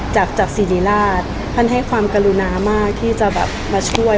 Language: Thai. จากจากศิริราชท่านให้ความกรุณามากที่จะแบบมาช่วย